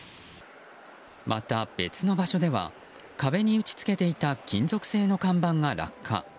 また別の場所では壁に打ち付けていた金属製の看板が落下。